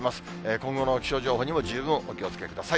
今後の気象情報にも十分お気をつけください。